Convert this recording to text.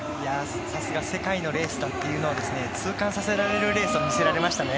さすが世界のレースだと痛感させられるレースを見せられましたね。